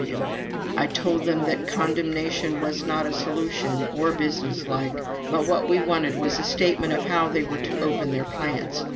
W. I told them that condemnation was not a solution, or businesslike, but what we wanted was a statement of how they were to open their plants.